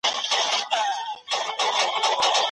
د عدې تر ختميدو مخکي څوک رجوع کولای سي؟